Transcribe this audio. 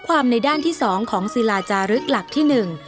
ในด้านที่สองของศิลาจารึกหลักที่หนึ่ง